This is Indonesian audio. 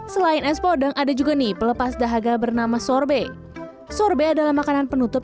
selain es podeng ada juga nih pelepas dahaga bernama sorbet sorbet adalah makanan penutup